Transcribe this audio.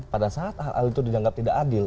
pada saat hal hal itu dianggap tidak adil